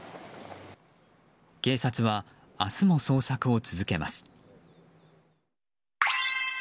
警察は、明日も捜索を続けます。